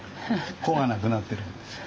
「子」がなくなってるんですよ。